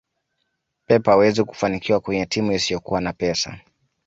pep hawezi kufanikiwa kwenye timu isiyokuwa na pesa